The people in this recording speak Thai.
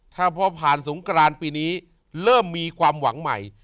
ถ้าพอผ่านสงกรานปีนี้เริ่มมีความหวังใหม่